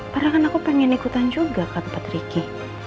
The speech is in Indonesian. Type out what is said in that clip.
padahal aku pengen ikutan juga ke tempat ricky